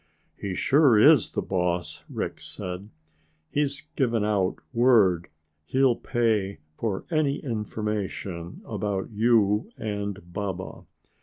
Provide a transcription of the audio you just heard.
"He sure is the boss," Rick said. "He's given out word he'll pay for any information about you and Baba.